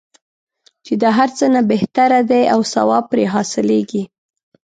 چې د هر څه نه بهتره دی او ثواب پرې حاصلیږي.